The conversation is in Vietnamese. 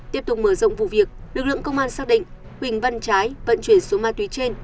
tiếp tục mở rộng vụ việc lực lượng công an xác định huỳnh văn trái vận chuyển số ma túy trên